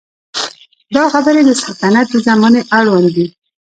دا خبرې د سلطنت د زمانې اړوند دي.